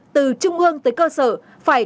từ trung ương tới cơ sở phải